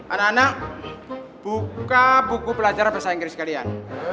anak anak buka buku pelajaran bahasa inggris sekalian